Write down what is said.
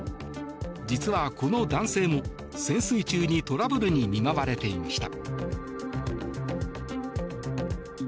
実はこの男性も潜水艇中にトラブルに見舞われていました。